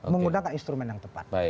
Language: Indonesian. menggunakan instrumen yang tepat